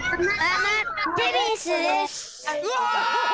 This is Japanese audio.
うわ！